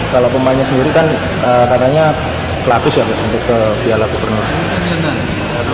kalau pemainnya sendiri kan katanya pelaku seharusnya untuk ke biala gubernur